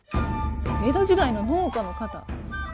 江戸時代の農家の方。